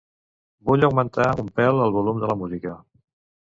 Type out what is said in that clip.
Vull augmentar un pèl el volum de la música.